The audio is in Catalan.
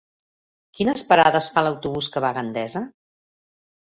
Quines parades fa l'autobús que va a Gandesa?